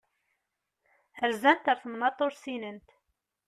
Rzant ar temnaḍt ur ssinent.